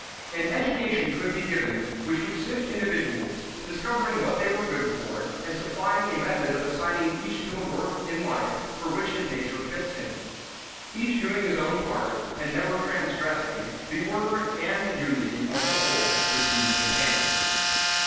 An education could be given which would sift individuals, discovering what they were good for, and supplying a method of assigning each to the work in life for which his nature fits him. Each doing his own part, and never transgressing, the order and unity of the whole would be maintained.